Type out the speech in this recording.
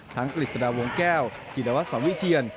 ทั้งกฤษฎาวงแก้วจิตวัสสวิเชียร